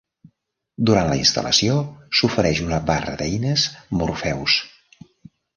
Durant la instal·lació, s'ofereix una barra d'eines Morpheus.